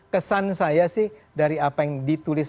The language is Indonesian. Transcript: kesan saya sih dari apa yang ditulis